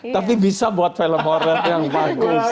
tapi bisa buat film horret yang bagus